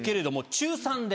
中３で。